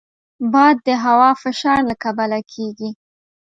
باد د هوا فشار له کبله کېږي